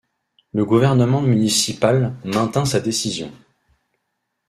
Le gouvernement municipal maintint sa décision.